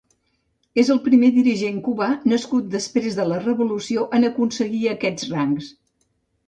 És el primer dirigent cubà nascut després de la Revolució en aconseguir aquests rangs.